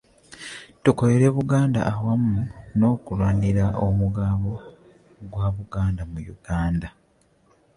Tukolere Buganda awamu n'okulwanirira omugabo gwa Buganda mu Uganda